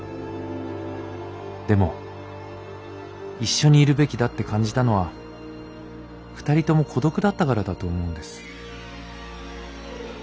でも一緒にいるべきだって感じたのは二人とも孤独だったからだと思うんです。